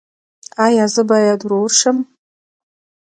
ایا زه باید ورور شم؟